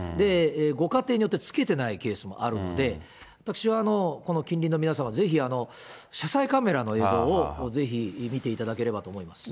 ご家庭によってつけてないケースもあるので、私はこの近隣の皆さんは、ぜひ車載カメラの映像を、ぜひ見ていただければと思います。